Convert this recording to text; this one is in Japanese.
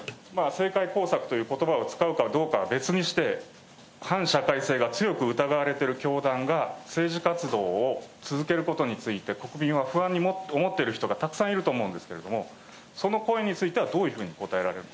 政界工作ということばを使うかはどうかは別にして、反社会性が強く疑われている教団が政治活動を続けることについて、国民は不安に思っている人がたくさんいると思うんですけれども、その声についてはどういうふうに答える。